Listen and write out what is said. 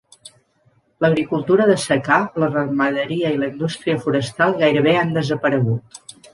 L'agricultura de secà, la ramaderia i la indústria forestal gairebé han desaparegut.